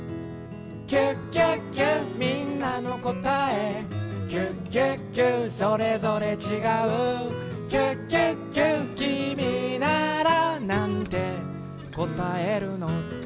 「キュキュキュみんなのこたえ」「キュキュキュそれぞれちがう」「キュキュキュきみならなんてこたえるの？」